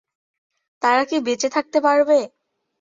তারা কি বেঁচে থাকতে পারবে?